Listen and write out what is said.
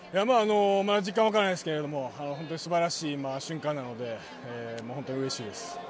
実感が湧かないですけど本当に素晴らしい瞬間なので本当にうれしいです。